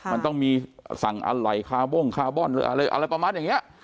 มันต้องมีสั่งอร่อยคาบ้งคาร์บอนอะไรประมาณอย่างนี้